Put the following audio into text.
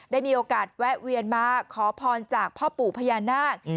ได้มีโอกาสแวะเวียนมาขอพรจากพ่อปู่พญานาค